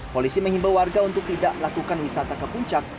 polisi mengimbau warga untuk tidak melakukan wisata ke puncak